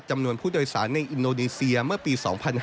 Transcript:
จำนวนผู้โดยสารในอินโดนีเซียเมื่อปี๒๕๕๙